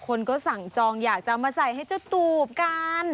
คนก็สั่งจองอยากจะเอามาใส่ให้เจ้าตูบกัน